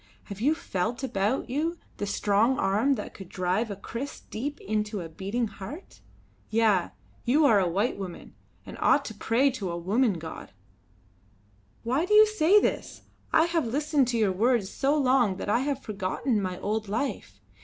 Have you felt about you the strong arm that could drive a kriss deep into a beating heart? Yah! you are a white woman, and ought to pray to a woman god!" "Why do you say this? I have listened to your words so long that I have forgotten my old life.